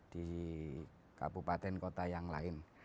di kabupaten kota yang lain